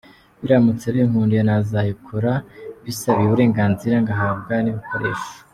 Biramutse binkundiye nazayikora mbisabiye uburenganzira ngahabwa n’ibikoresho.